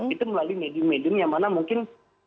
itu melalui medium medium yang mana mungkin